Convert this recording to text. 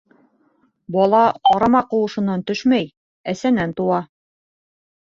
Бала ҡарама ҡыуышынан төшмәй, әсәнән тыуа.